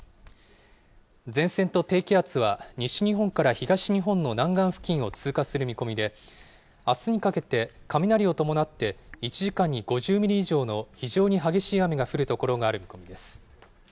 前線と低気圧は西日本から東日本の南岸付近を通過する見込みで、あすにかけて雷を伴って１時間に５０ミリ以上の非常に激しい雨が降る所がある見込みです。